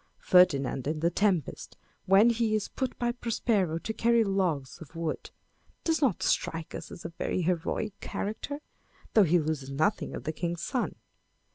Ferdinand in the Tempest, when he is put by Prosper o to carry logs of wood, does not strike us as a very heroic character, though he loses nothing of the king's son.